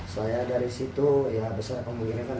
sopir juga warga tangerang